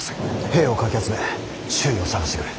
兵をかき集め周囲を捜してくれ。